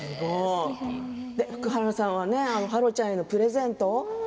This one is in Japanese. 福原さんは芭路ちゃんへのプレゼント